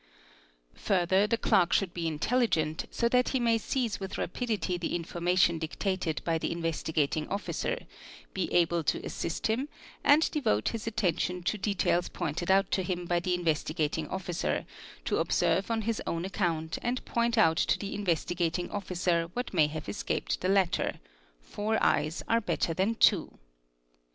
Further the clerk should be intelligent, so that he may seize with rapidity the information dictated by the Investigating Officer, be able to assist him, and devote his attention to details pointed out to him by the Investigating Officer, to observe on his own account and point out to the Investigating Officer what may have escaped the latter—four eyes are better than two.